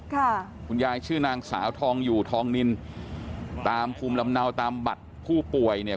คุณยายชื่อนางสาวทองอยู่ทองนินตามภูมิลำเนาตามบัตรผู้ป่วยเนี่ย